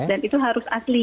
dan itu harus asli